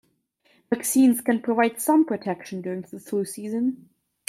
Vaccines can provide some protection during flu season.